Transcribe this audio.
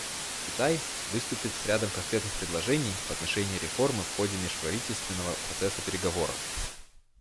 Китай выступит с рядом конкретных предложений в отношении реформы в ходе межправительственного процесса переговоров.